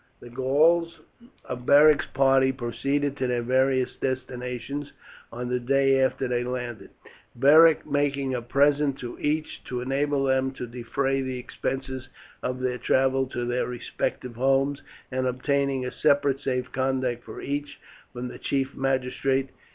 The Gauls of Beric's party proceeded to their various destinations on the day after they landed, Beric making a present to each to enable them to defray the expenses of their travel to their respective homes, and obtaining a separate safe conduct for each from the chief magistrate.